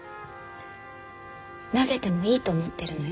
投げてもいいと思ってるのよ